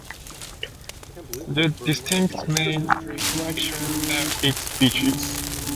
The district's main attractions are its beaches.